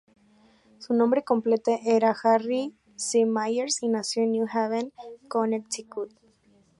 Su nombre complete era Harry C. Myers, y nació en New Haven, Connecticut.